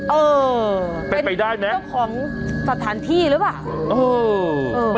เออเป็นไปได้ไหมเจ้าของสถานที่หรือเปล่า